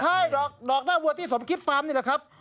ใช่ดอกหน้าวัวที่สมคิดฟาร์มนี่แหละครับ